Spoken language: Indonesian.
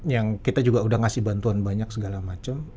yang kita juga udah ngasih bantuan banyak segala macam